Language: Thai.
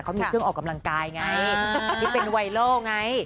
เขามีเครื่องออกกำลังกายไงที่เป็นไวรัลไง